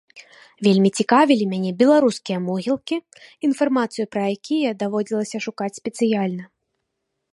Вельмі цікавілі мяне беларускія могілкі, інфармацыю пра якія даводзілася шукаць спецыяльна.